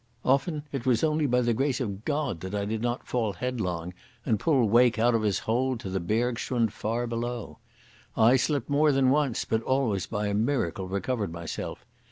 Often it was only by the grace of God that I did not fall headlong, and pull Wake out of his hold to the bergschrund far below. I slipped more than once, but always by a miracle recovered myself.